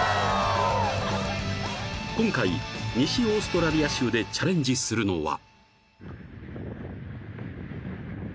［今回西オーストラリア州でチャレンジするのは］